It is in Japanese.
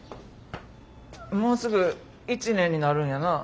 もうすぐ１年になるんやな。